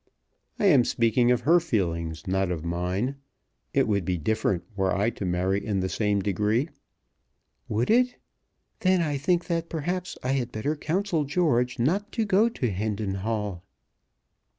"I am speaking of her feelings, not of mine. It would be different were I to marry in the same degree." "Would it? Then I think that perhaps I had better counsel George not to go to Hendon Hall."